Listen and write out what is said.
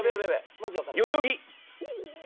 代々木。